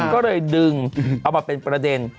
ก็เลยดึงเอามาเป็นประเด็น